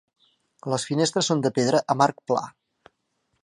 Les finestres són de pedra amb arc pla.